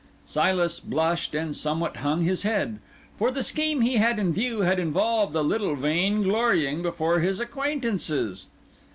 Silas blushed and somewhat hung his head; for the scheme he had in view had involved a little vain glorying before his acquaintances.